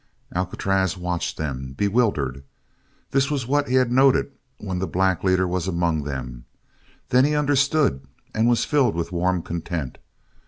Alcatraz watched them, bewildered. This was what he had noted when the black leader was among them; then he understood and was filled with warm content.